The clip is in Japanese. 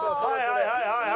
はいはいはい！